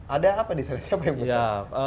ada apa di sana siapa yang bisa